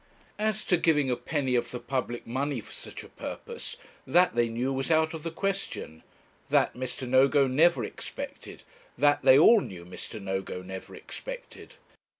As to giving a penny of the public money for such a purpose, that they knew was out of the question; that Mr. Nogo never expected; that they all knew Mr. Nogo never expected.